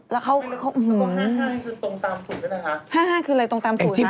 แล้วเฉาก็๕๕ให้คืนตรงตามสูตรนะฮะ